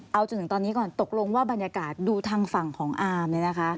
เอาจนถึงตอนนี้ก่อนตกลงว่าบรรยากาศดูทางฝั่งของอามเนี่ยนะคะ